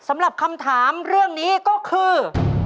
สำหรับคำถามเรื่องนี้ก็คือ